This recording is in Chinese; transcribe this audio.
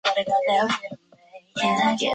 淡蓝色表示为非联播时间播放本地节目。